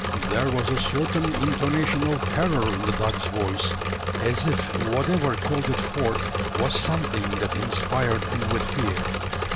There was a certain intonation of terror in the dog's voice as if whatever called it forth was something that inspired him with fear.